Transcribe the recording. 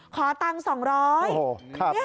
ขอตังค์๒๐๐